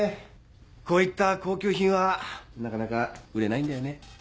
こういった高級品はなかなか売れないんだよね。